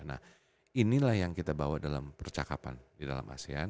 nah inilah yang kita bawa dalam percakapan di dalam asean